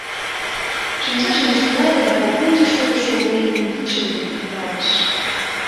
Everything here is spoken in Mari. Шинчажым ӱштылале да воктенже шогышо военныйым кидше дене тӱкалтыш: